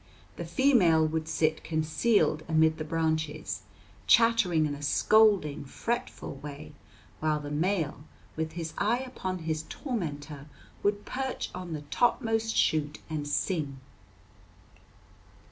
The female would sit concealed amid the branches, chattering in a scolding, fretful way, while the male with his eye upon his tormentor would perch on the topmost shoot and sing.